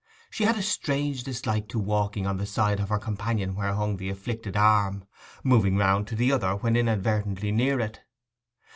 She had a strange dislike to walking on the side of her companion where hung the afflicted arm, moving round to the other when inadvertently near it.